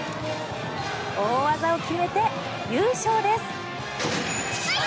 大技を決めて、優勝です。